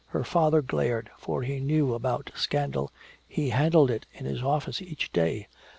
Her father glared, for he knew about scandal, he handled it in his office each day.